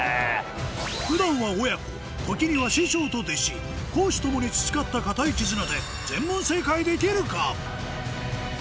普段は親子時には師匠と弟子公私共に培った固い絆で全問正解できるか？